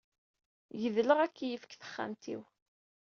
Gedleɣ akeyyef deg texxamt-iw.